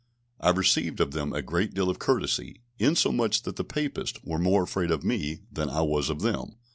I received of them a great deal of courtesy, insomuch that the Papists were more afraid of me than I was of them.